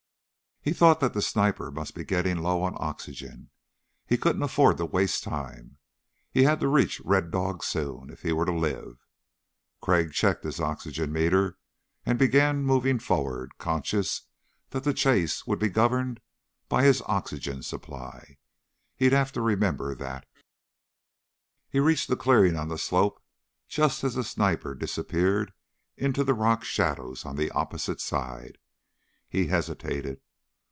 He thought that the sniper must be getting low on oxygen. He couldn't afford to waste time. He had to reach Red Dog soon if he were to live. Crag checked his oxygen meter and began moving forward, conscious that the chase would be governed by his oxygen supply. He'd have to remember that. He reached a clearing on the slope just as the sniper disappeared into the rock shadows on the opposite side. He hesitated.